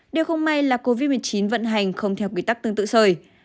điều không may là covid một mươi chín vận hành không theo quy tắc tương tự trời